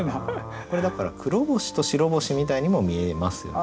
これだから黒星と白星みたいにも見えますよね。